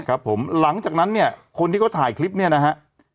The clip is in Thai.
ครับผมหลังจากนั้นเนี่ยคนที่เขาถ่ายคลิปเนี่ยนะฮะ